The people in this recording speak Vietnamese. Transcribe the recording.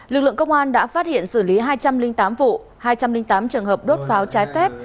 lực lượng công an đã phát hiện xử lý hai trăm linh tám vụ hai trăm linh tám trường hợp đốt pháo trái phép